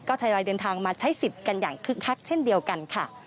ทยอยเดินทางมาใช้สิทธิ์กันอย่างคึกคักเช่นเดียวกันค่ะ